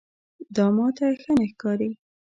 دا ماته ښه نه ښکاري.